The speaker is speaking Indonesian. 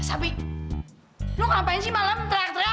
nah sabwi lu ngapain sih malem teriak teriak